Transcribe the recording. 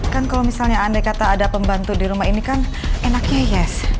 kan kalau misalnya andai kata ada pembantu di rumah ini kan enaknya yes